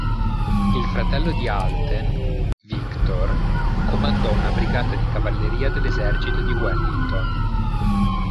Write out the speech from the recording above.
Il fratello di Alten, Victor, comandò una brigata di cavalleria dell'esercito di Wellington.